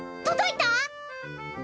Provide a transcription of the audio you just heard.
届いた？